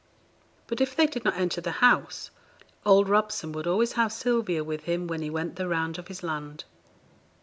But if they did not enter the house, old Robson would always have Sylvia with him when he went the round of his land.